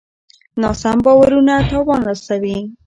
ناسم باورونه تاوان رسوي.